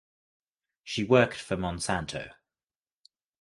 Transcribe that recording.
She worked for Monsanto.